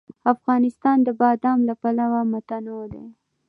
افغانستان د بادام له پلوه متنوع دی.